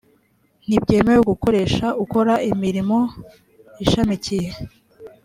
ntibyemewe gukoresha ukora imirimo ishamikiye